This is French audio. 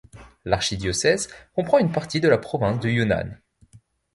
L'archidiocèse comprend une partie de la province du Yunnan.